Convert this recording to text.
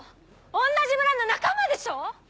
同じ村の仲間でしょ！